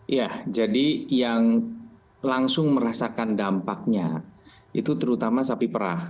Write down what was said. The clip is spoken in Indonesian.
ya jadi yang langsung merasakan dampaknya itu terutama sapi perah